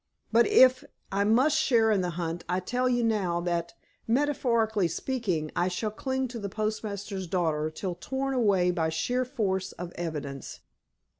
But, if I must share in the hunt, I tell you now that, metaphorically speaking, I shall cling to the postmaster's daughter till torn away by sheer force of evidence."